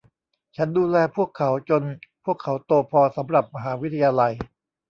ฉันดูแลพวกเขาจนพวกเขาโตพอสำหรับมหาวิทยาลัย